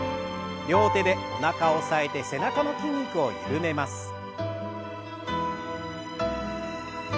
両手でおなかを押さえて背中の筋肉を緩めます。